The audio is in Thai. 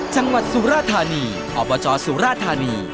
จังหวัดสุราธานีอบจสุราธานี